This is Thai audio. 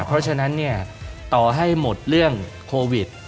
เพราะฉะนั้นเนี่ยต่อให้หมดเรื่องโควิด